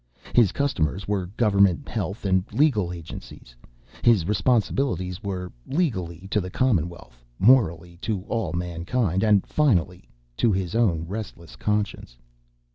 His customers were government health and legal agencies; his responsibilities were: legally, to the Commonwealth; morally, to all mankind; and, finally, to his own restless conscience.